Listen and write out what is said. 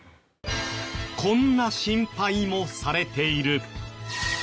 こんな心配もされている。